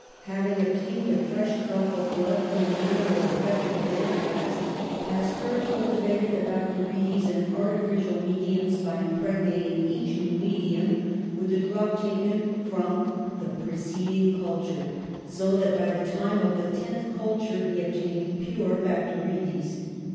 Having obtained a fresh drop of blood from an animal infected with anthrax, Pasteur culti vated the bacterides in artificial mediums by impregnating each new medium with a drop taken from the preceding culture, so that by the time of the tenth culture he obtained pure bacterides.